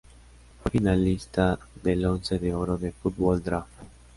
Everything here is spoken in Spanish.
Fue finalista del Once de Oro de Fútbol Draft.